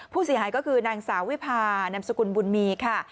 ผู้เสียหายก็คือนางสาววิพานำสกุลบุญมีค่ะ